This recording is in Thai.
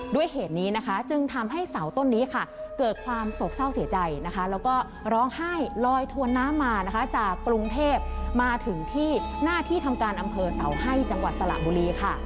ด้วยเหตุนี้นะคะจึงทำให้เสาต้นนี้ค่ะเกิดความโศกเศร้าเสียใจนะคะแล้วก็ร้องไห้ลอยถวนน้ำมานะคะจากกรุงเทพมาถึงที่หน้าที่ทำการอำเภอเสาให้จังหวัดสระบุรีค่ะ